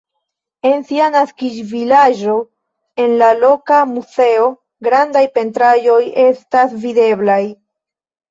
En sia naskiĝvilaĝo en la loka muzeo grandaj pentraĵoj estas videblaj.